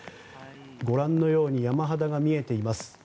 ご覧のように山肌が見えています。